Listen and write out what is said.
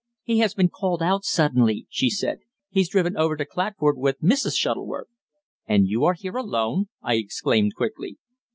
"He has been called out suddenly," she said. "He's driven over to Clatford with Mrs. Shuttleworth." "And you are here alone?" I exclaimed quickly.